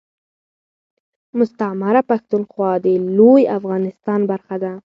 مستعمره پښتونخوا دي لوي افغانستان برخه ده